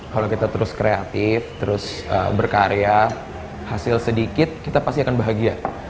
kalau kita terus kreatif terus berkarya hasil sedikit kita pasti akan bahagia